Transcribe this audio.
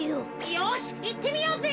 よしいってみようぜ！